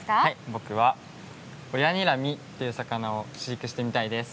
僕は、オヤニラミという魚を飼育してみたいです。